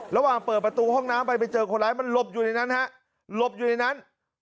ระหว่างเปิดประตูห้องน้ำไปไปเจอคนร้ายมันหลบอยู่ในนั้นฮะหลบอยู่ในนั้น